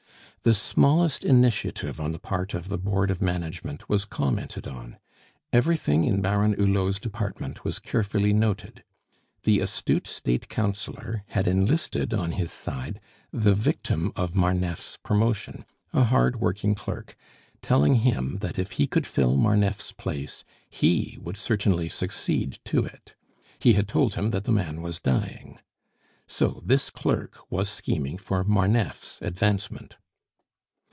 The smallest initiative on the part of the board of Management was commented on; everything in Baron Hulot's department was carefully noted. The astute State Councillor had enlisted on his side the victim of Marneffe's promotion, a hard working clerk, telling him that if he could fill Marneffe's place, he would certainly succeed to it; he had told him that the man was dying. So this clerk was scheming for Marneffe's advancement.